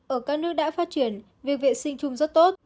ở các nước đã phát triển việc vệ sinh chung rất tốt